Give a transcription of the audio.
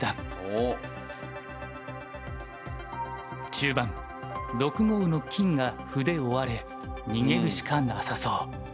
中盤６五の金が歩で追われ逃げるしかなさそう。